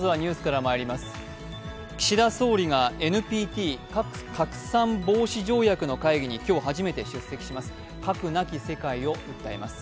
岸田総理がＮＰＴ＝核拡散防止条約の会議に今日初めて出席します。